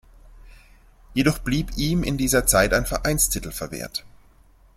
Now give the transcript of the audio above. Jedoch blieb ihm in dieser Zeit ein Vereinstitel verwehrt.